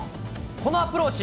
このアプローチ。